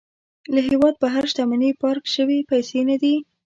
له هېواده بهر شتمني پارک شوې پيسې نه دي.